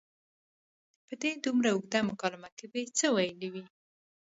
په دې دومره اوږده مکالمه کې به یې څه ویلي وي.